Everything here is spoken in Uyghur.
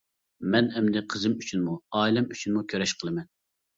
مەن ئەمدى قىزىم ئۈچۈنمۇ، ئائىلەم ئۈچۈنمۇ كۈرەش قىلىمەن!